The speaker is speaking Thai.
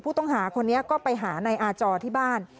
ผู้ต้องหาคนนี้ก็ไปหานายอาจอที่บ้าน